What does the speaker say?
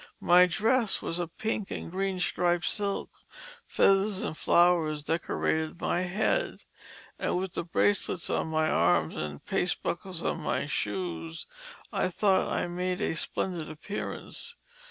My dress was a pink and green striped silk, feathers and flowers decorated my head; and with bracelets on my arms and paste buckles on my shoes I thought I made a splendid appearance.